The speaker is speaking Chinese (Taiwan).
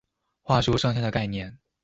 話說上下的概念